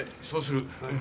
そうする。